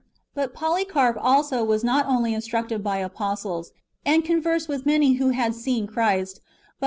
But Polycarp also was not only instructed by apostles, and conversed with many who had seen Christ, but was Book hi.